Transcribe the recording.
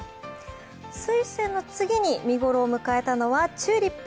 スイセンの次に見頃を迎えたのはチューリップ。